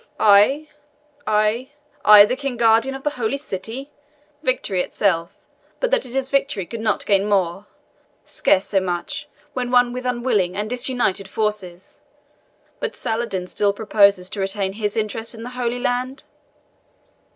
"I I I the King Guardian of the Holy City! Victory itself, but that it is victory, could not gain more scarce so much, when won with unwilling and disunited forces. But Saladin still proposes to retain his interest in the Holy Land?"